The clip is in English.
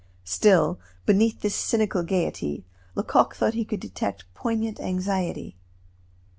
Still, beneath this cynical gaiety Lecoq thought he could detect poignant anxiety.